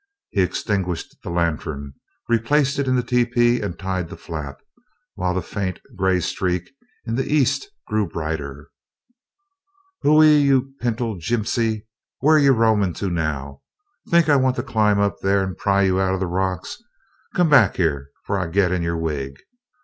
He extinguished the lantern, replaced it in the tepee, and tied the flap, while the faint, gray streak in the east grew brighter. "Ouhee! You pinto gypsy! Whur you roamin' to now? Think I want to climb up there and pry you out o' the rocks? Come back here 'fore I git in your wig.